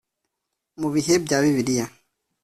Mu bihe bya bibiliya